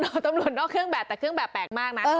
ตำรวจนอกเครื่องแบบแต่เครื่องแบบแปลกมากนะ